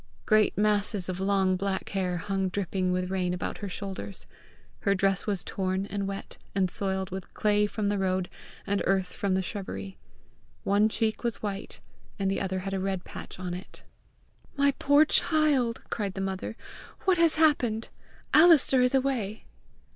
Great masses of long black hair hung dripping with rain about her shoulders. Her dress was torn and wet, and soiled with clay from the road and earth from the shrubbery. One cheek was white, and the other had a red patch on it. "My poor child!" cried the mother; "what has happened? Alister is away!"